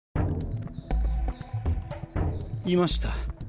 いました。